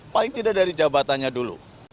paling tidak dari jabatannya dulu